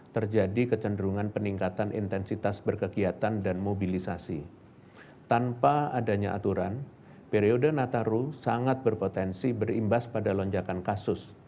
tanpa adanya aturan periode nataru sangat berpotensi berimbas pada lonjakan kasus